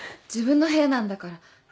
自分の部屋なんだから。